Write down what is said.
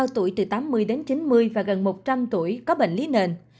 tuổi từ tám mươi đến chín mươi và gần một trăm linh tuổi có bệnh lý nền